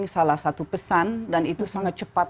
salah satu pesan dan itu sangat cepat